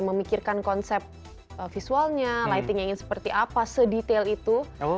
memikirkan konsep visualnya lightingnya ingin seperti apa sedetail itu